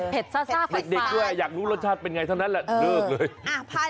เด็กด้วยอยากรู้รสชาติเป็นไงเท่านั้นแหละเลิกเลย